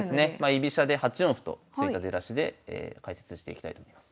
居飛車で８四歩と突いた出だしで解説していきたいと思います。